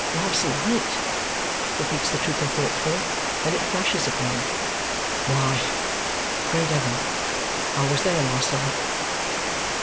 Last night?" repeats the trooper thoughtfully. Then it flashes upon him. "Why, great heaven, I was there last night!"